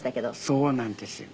そうなんですよ。